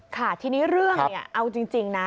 ค่ะทีนี้เรื่องเนี่ยเอาจริงนะ